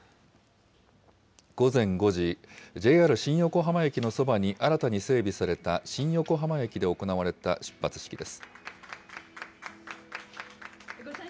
午前５時、ＪＲ新横浜駅のそばに新たに整備された新横浜駅で行われた出発式です。